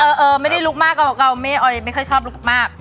เออเออไม่ได้ลุกมากออยไม่ค่อยชอบลุกมาก